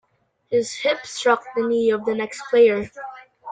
His hip struck the knee of the next player.